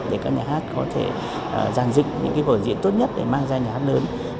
để các nhà hát có thể giàn dịch những vở diễn tốt nhất để mang ra nhà hát lớn